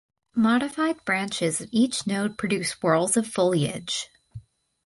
Modified branches at each node produce whorls of foliage.